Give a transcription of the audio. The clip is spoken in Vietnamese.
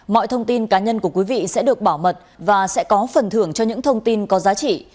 mọi thông tin cá nhân của quý vị sẽ được bảo mật và sẽ có phần thưởng cho những thông tin có giá trị